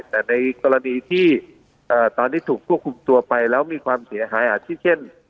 แต่ในกรณีที่ตอนนี้ถูกควบคุมตัวไปแล้วมีความเสียหายอาทิตเช่น